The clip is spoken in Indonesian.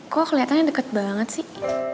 kok kelihatannya deket banget sih